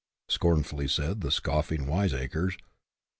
" scornfully said the scoffing wiseacres.